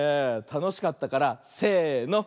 たのしかったからせの。